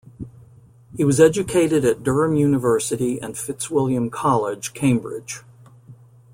He was educated at Durham University and Fitzwilliam College, Cambridge.